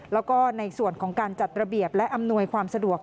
แล้วก็ในส่วนของการจัดระเบียบและอำนวยความสะดวก